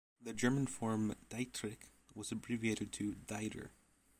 The German form "Dietrich" was abbreviated to "Dieter".